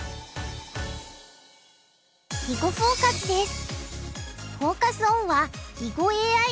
「囲碁フォーカス」です。